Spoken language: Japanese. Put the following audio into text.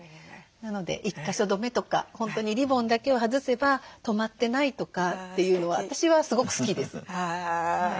なので１か所留めとか本当にリボンだけを外せば留まってないとかっていうのは私はすごく好きです。